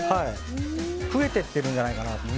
増えていっているんじゃないかと。